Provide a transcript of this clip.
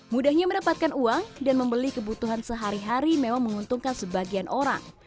mudahnya mendapatkan uang dan membeli kebutuhan sehari hari memang menguntungkan sebagian orang